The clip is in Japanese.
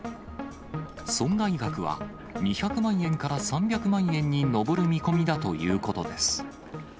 損害額は２００万円から３００万円に上る見込みだということです。